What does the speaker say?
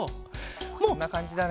こんなかんじだね。